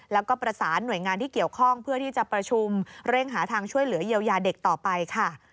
แล้วก็ประสานหน่วยงานที่เกี่ยวข้องเพื่อที่จะประชุมเร่งหาทางช่วยเหลือเยียวยาเด็กต่อไปค่ะ